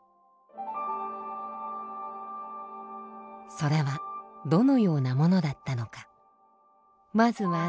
それはどのようなものだったのかまずは禅宗。